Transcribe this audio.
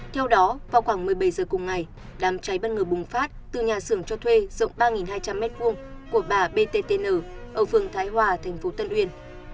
theo đó vào khoảng một mươi bảy giờ cùng ngày đám cháy bất ngờ bùng phát từ nhà xưởng cho thuê rộng ba hai trăm linh m hai của bà bttn ở phường thái hòa thành phố tân uyên